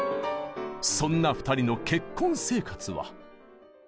そんな２人の結婚生活は。